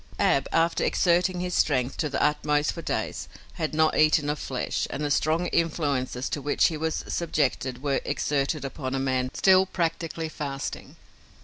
Ab, after exerting his strength to the utmost for days, had not eaten of flesh, and the strong influences to which he was subjected were exerted upon a man still, practically, fasting.